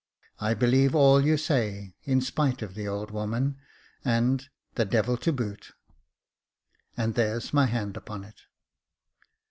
I believe all you say, in spite of the old woman and — the devil to boot — and there's my hand upon it."